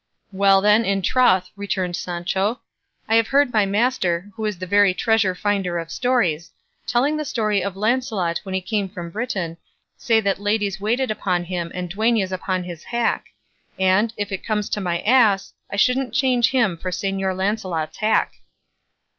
"Well then, in troth," returned Sancho, "I have heard my master, who is the very treasure finder of stories, telling the story of Lancelot when he came from Britain, say that ladies waited upon him and duennas upon his hack; and, if it comes to my ass, I wouldn't change him for Señor Lancelot's hack."